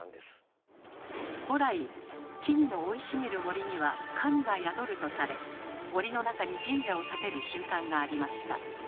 古来木々の生い茂る森には神が宿るとされ森の中に神社を建てる習慣がありました。